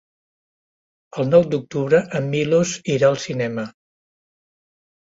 El nou d'octubre en Milos irà al cinema.